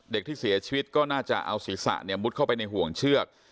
เด็กที่เสียชีวิตก็น่าจะเอาศีรษะมุดเข้าไปในห่วงเชือก